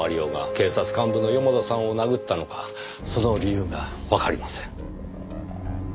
男が警察幹部の四方田さんを殴ったのかその理由がわかりません。